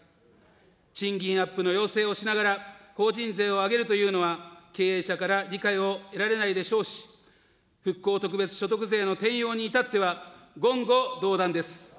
賃金アップの要請をしながら法人税を上げるというのは、経営者から理解を得られないでしょうし、復興特別所得税の転用にいたっては、言語道断です。